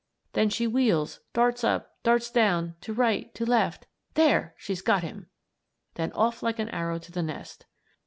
Then she wheels, darts up darts down to right to left. There, she's got him! Then off like an arrow to the nest.